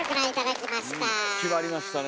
決まりましたね。